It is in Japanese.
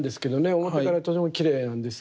表側とてもきれいなんですが。